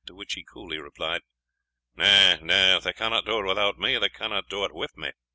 To which he coolly replied, "No, no! if they cannot do it without me, they cannot do it with me."